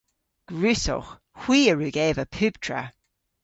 Gwrussowgh. Hwi a wrug eva puptra.